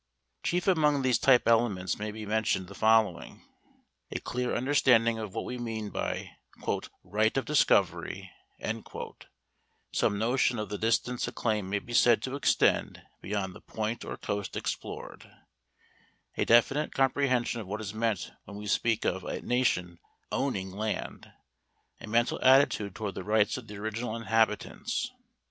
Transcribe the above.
Chief among these type elements may be mentioned the following: A clear understanding of what we mean by "right of discovery;" some notion of the distance a claim may be said to extend beyond the point or coast explored; a definite comprehension of what is meant when we speak of a nation "owning" land; a mental attitude toward the rights of the original inhabitants.